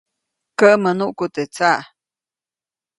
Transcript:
Käʼmäʼ nuʼku teʼ tsaʼ.